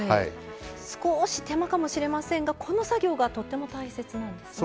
少し手間かもしれませんがこの作業がとっても大切なんですね。